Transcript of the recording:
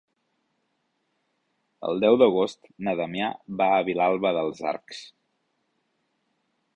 El deu d'agost na Damià va a Vilalba dels Arcs.